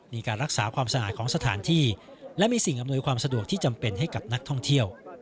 มีการรักษาความสะอาดของสถานที่และมีสิ่งอำนวยความสะดวกที่จำเป็นให้กับนักท่องเที่ยว